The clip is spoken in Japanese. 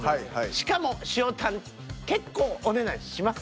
しかも塩タン結構お値段します。